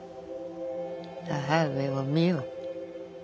母上を見よ。